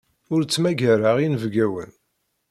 Ur ttmagareɣ inebgawen.